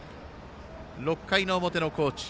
６回の表の高知。